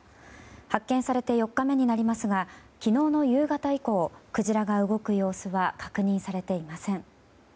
発見されて４日目になりますが昨日の夕方以降クジラが動く様子は確認されていません。